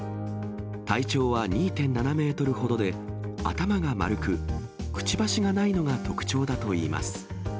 体長は２．７メートルほどで、頭が丸く、くちばしがないのが特徴だといいます。